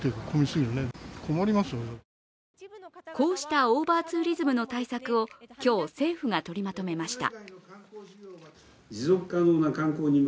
こうしたオーバーツーリズムの対策を今日、政府が取りまとめました。